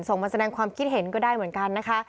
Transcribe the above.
มาแสดงความคิดเห็นก็ได้เหมือนกันนะคะ